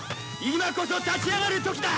今こそ立ち上がる時だ。